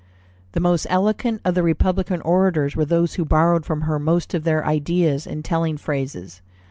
"The most eloquent of the Republican orators were those who borrowed from her most of their ideas and telling phrases.